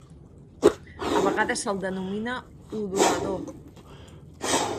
A vegades se'l denomina udolador.